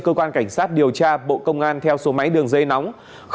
cơ quan cảnh sát điều tra bộ công an theo số máy đường dây nóng